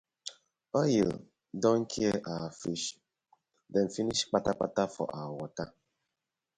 Oil don kii our fish dem finish kpatakpata for our wata.